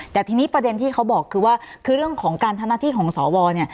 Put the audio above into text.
แต่ทีนี้ประเด็นที่เขาบอกคือว่าคือเรื่องของการทำหน้าที่ของสวเนี่ย